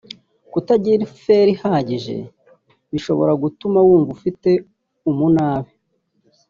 Kutagira Fer ihagije bishobora gutuma wumva ufite umunabi